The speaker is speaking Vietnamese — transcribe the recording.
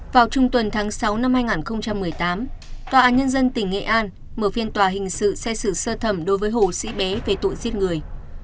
vào trung tuần tháng sáu năm hai nghìn một mươi tám tòa án nhân dân tỉnh nghệ an mở phiên tòa hình sự xét xử sơ thẩm đối với hồ sĩ bé về tội giết người